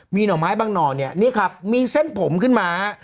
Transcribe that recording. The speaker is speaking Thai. มีหน่อไม้บางหน่อเนี่ยนี่ครับมีเส้นผมขึ้นมา